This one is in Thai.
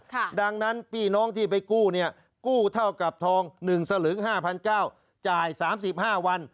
ดังนั้นพี่น้องที่ไปกู้เนี่ยกู้เท่ากับทอง๑สลึง๕๙๐๐จ่าย๓๕วัน